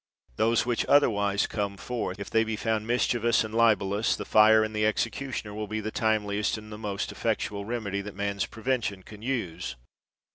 '' Those which otherwise come forth, if they be found mischiev ous and libelous, the fire and the executioner will be the timeliest and the most effectual remedy that man 's prevention can use.